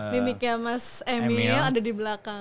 mimiknya mas emil ada di belakang